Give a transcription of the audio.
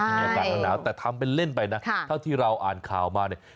ใช่แต่ทำเป็นเล่นไปนะเท่าที่เราอ่านข่าวมาเนี่ย